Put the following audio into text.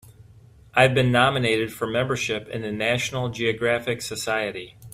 I've been nominated for membership in the National Geographic Society.